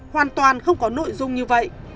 hoàn toàn không có nội dung như vậy